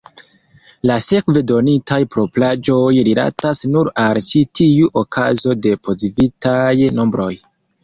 La sekve donitaj propraĵoj rilatas nur al ĉi tiu okazo de pozitivaj nombroj.